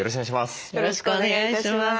よろしくお願いします。